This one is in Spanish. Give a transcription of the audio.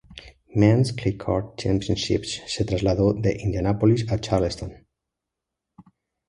Men's Clay Court Championships se trasladó de Indianápolis a Charleston.